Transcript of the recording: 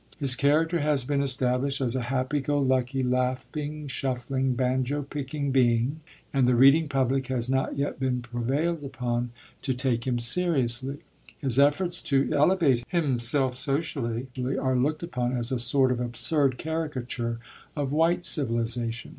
His character has been established as a happy go lucky, laughing, shuffling, banjo picking being, and the reading public has not yet been prevailed upon to take him seriously. His efforts to elevate himself socially are looked upon as a sort of absurd caricature of "white civilization."